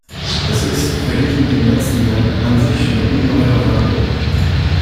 Das ist, verglichen mit den letzten Jahren, an sich schon ein ungeheurer Wandel.